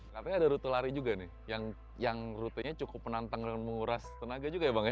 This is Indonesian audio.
katanya ada rute lari juga nih yang rutenya cukup menantang dan menguras tenaga juga ya bang ya